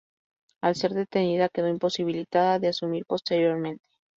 Al ser detenida quedó imposibilitada de asumir posteriormente.